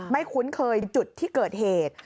คุ้นเคยจุดที่เกิดเหตุ